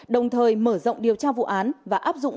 đồng thời mở rộng điều tra vụ án